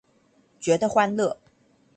覺得歡樂